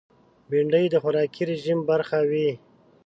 بېنډۍ د خوراکي رژیم برخه وي